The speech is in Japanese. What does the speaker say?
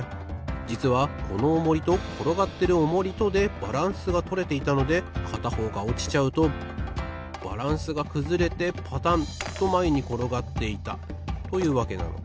じつはこのオモリところがってるオモリとでバランスがとれていたのでかたほうがおちちゃうとバランスがくずれてパタンとまえにころがっていたというわけなのです。